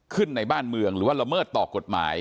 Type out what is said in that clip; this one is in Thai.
ในบ้านเมืองหรือว่าละเมิดต่อกฎหมาย